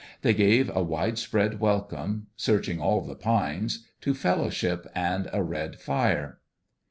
They gave a wide spread welcome searching all the pines to fellowship and a red fire.